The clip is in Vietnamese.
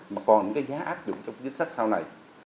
mà còn những cái giá áp dụng trong chính sách sau này